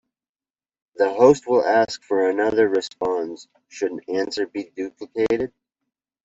The host will ask for another response should an answer be duplicated.